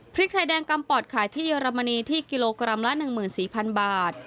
พริกไทยแดงกำปอดขายที่เยอรมนีที่กิโลกรัมละ๑๔๐๐๐บาท